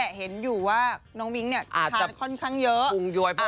เห็นอยู่ว่าน้องมิ้งเนี่ยทานค่อนข้างเยอะ